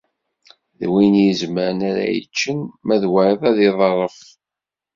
D winn izemren ara yeččen, ma d wayeḍ ad iḍeṛṛef.